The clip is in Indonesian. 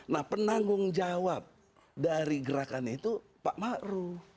nah penanggung jawab dari gerakan itu pak maruf